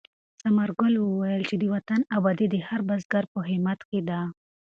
ثمر ګل وویل چې د وطن ابادي د هر بزګر په همت کې ده.